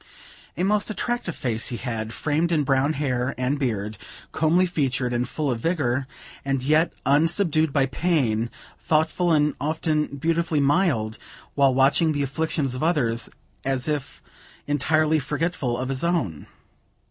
A most attractive face he had, framed in brown hair and beard, comely featured and full of vigor, as yet unsubdued by pain; thoughtful and often beautifully mild while watching the afflictions of others, as if entirely forgetful of his own.